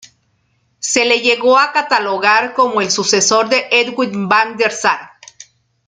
Se le llegó a catalogar como el sucesor de Edwin van der Sar.